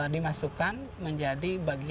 dimasukkan menjadi bagian